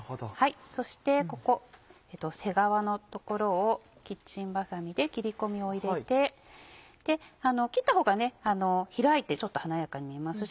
そしてここ背側のところをキッチンバサミで切り込みを入れて切ったほうが開いてちょっと華やかに見えます。